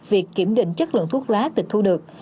việc kiểm định chất lượng thuốc lá tịch thu được